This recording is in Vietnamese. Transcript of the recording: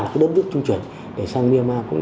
là cái đớp nước trung chuyển để sang myanmar